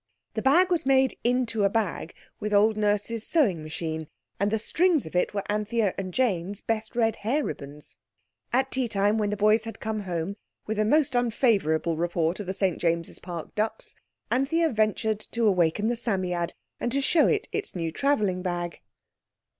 The bag was made into a bag with old Nurse's sewing machine, and the strings of it were Anthea's and Jane's best red hair ribbons. At tea time, when the boys had come home with a most unfavourable report of the St James's Park ducks, Anthea ventured to awaken the Psammead, and to show it its new travelling bag.